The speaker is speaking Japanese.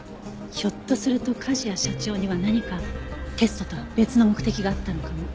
ひょっとすると梶谷社長には何かテストとは別の目的があったのかも。